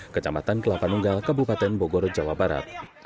kecamatan kelapanunggal kabupaten bogor jawa barat